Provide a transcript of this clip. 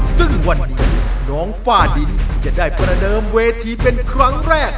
ซึ่งวันนี้น้องฝ้าดินจะได้ประเดิมเวทีเป็นครั้งแรก